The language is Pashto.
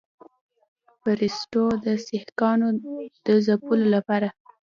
بریسټو د سیکهانو د ځپلو لپاره.